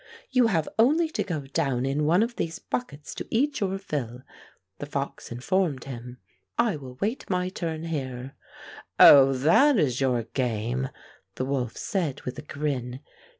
"You have only to go down in one of these buckets to eat your fill," the fox informed him. "I will wait my turn here." "Oh, that is your game!" the wolf said with a grin.